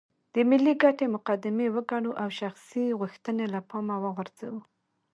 د ملي ګټې مقدمې وګڼو او شخصي غوښتنې له پامه وغورځوو.